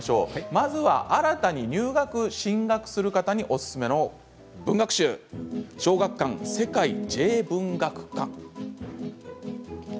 まずは新たに入学、進学する方におすすめの文学史「小学館世界Ｊ文学館」。